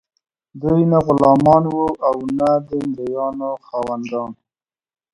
دوی نه غلامان وو او نه د مرئیانو خاوندان.